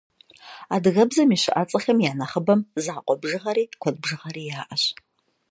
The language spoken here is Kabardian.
Адыгэбзэм и щыӏэцӏэхэм я нэхъыбэм закъуэ бжыгъэри, куэд бжыгъэри яӏэщ.